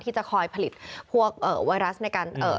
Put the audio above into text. ที่จะคอยผลิตพวกไวรัสในการ